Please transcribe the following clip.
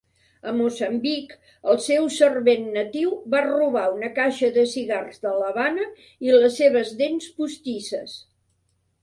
A Moçambic, el seu servent natiu va robar una caixa de cigars de l'Havana i les seves dents postisses.